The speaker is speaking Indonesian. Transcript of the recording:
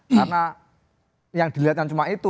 karena yang dilihatnya cuma itu